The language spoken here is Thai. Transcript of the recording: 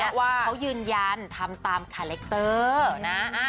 เพราะว่าเขายืนยันทำตามคาแรคเตอร์นะ